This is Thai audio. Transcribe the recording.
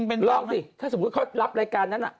สมมสมมติเขาลับรายการนั้นอ่ะ